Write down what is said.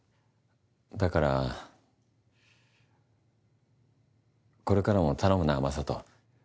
だからこれからも頼むな眞人。